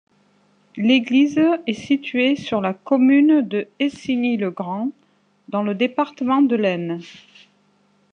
L'église est située sur la commune de Essigny-le-Grand, dans le département de l'Aisne.